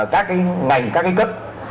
các cái ngành các cái cấp